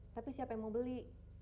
tapi siapa yang mau beli